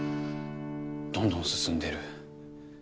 どんどん進んでる。